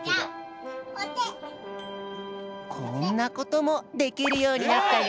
こんなこともできるようになったよ。